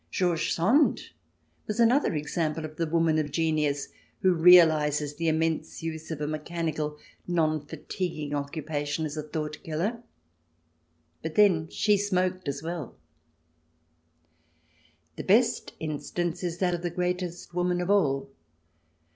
George Sand was another example of the woman of genius who realizes the immense use of a mechanical non fatiguing occupation as a thought killer — but then, she smoked as well ! CH. XV] "DRIZZLING" AND OFFICERS 203 The best instance is that of the greatest woman of all.